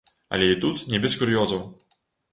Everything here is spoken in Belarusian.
Але і тут не без кур'ёзаў.